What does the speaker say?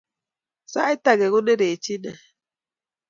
Sait age konerechi ine